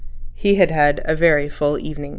He had had a very full evening.